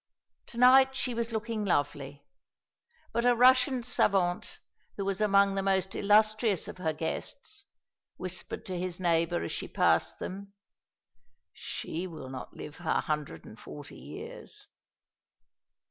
To night she was looking lovely; but a Russian savant, who was among the most illustrious of her guests, whispered to his neighbour as she passed them, "She will not live her hundred and forty years."